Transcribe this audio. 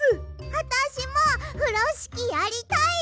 あたしもふろしきやりたい！